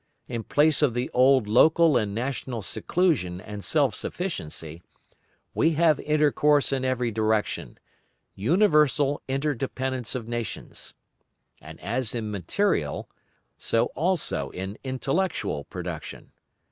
In place of the old local and national seclusion and self sufficiency, we have intercourse in every direction, universal inter dependence of nations. And as in material, so also in intellectual production.